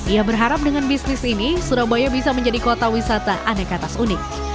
ia berharap dengan bisnis ini surabaya bisa menjadi kota wisata aneka tas unik